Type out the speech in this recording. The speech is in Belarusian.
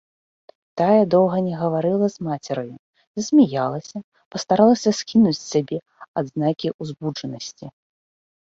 Тая доўга не гаварыла з мацераю, засмяялася, пастаралася скінуць з сябе адзнакі ўзбуджанасці.